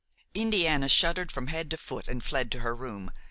Indiana shuddered from head to foot and fled to her room.